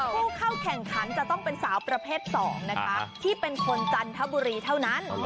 ผู้เข้าแข่งขันจะต้องเป็นสาวประเภท๒นะคะที่เป็นคนจันทบุรีเท่านั้น